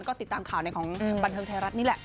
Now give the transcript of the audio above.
ก็ติดตามข่าวในของบันเทิงไทยรัฐนี่แหละ